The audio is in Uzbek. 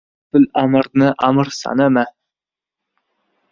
— G‘ofil amirni amir sanama.